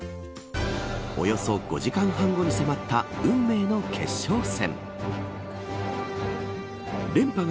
およそ５時間半後に迫った運命の決勝戦。